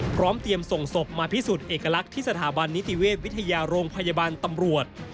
พร้อมเตรียมส่งศพมาพิสูจน์เอกลักษณ์ที่สถาบันนิติเวชวิทยาโรงพยาบาลตำรวจ